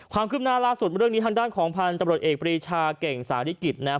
ความคึบนาลากส่วนเรื่องนี้ทางด้านของพันร์สบรดเอกภรีชาเก่งสารศักดิ์กิจนะฮะ